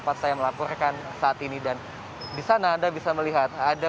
tempat saya melaporkan saat ini dan di sana anda bisa melihat